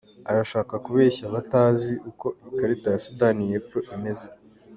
Arashaka kubeshya abatazi uko ikarita ya Sudani y’Epfo imeze.